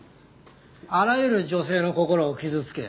あらゆる女性の心を傷つけ